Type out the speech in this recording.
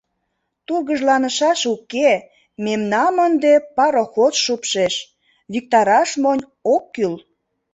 Тургыжланышаш уке, мемнам ынде пароход шупшеш, виктараш монь ок кӱл.